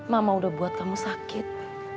mama udah buat kamu sakit